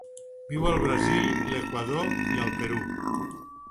Viu al Brasil, l'Equador i el Perú.